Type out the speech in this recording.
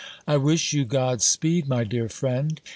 I wish you God speed, my dear friend.